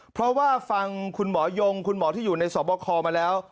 เพราะว่าฟังคุณหมอยงคุณหมอที่อยู่ในสอบคอมาแล้ว